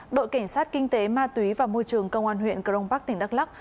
bộ cảnh sát kinh tế ma túy và môi trường công an huyện cron park tỉnh đắk lắc